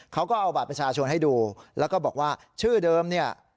เขาก็เอาบัตรประชาชนให้ดูแล้วก็บอกว่าชื่อเดิมเนี่ย